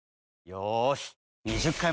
よし。